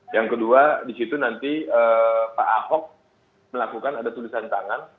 yang kedua di situ nanti pak ahok melakukan ada tulisan tangan